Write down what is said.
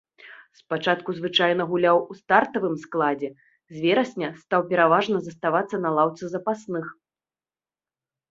Спачатку звычайна гуляў у стартавым складзе, з верасня стаў пераважна заставацца на лаўцы запасных.